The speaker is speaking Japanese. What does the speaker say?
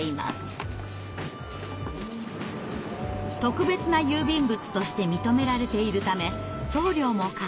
特別な郵便物として認められているため送料もかかりません。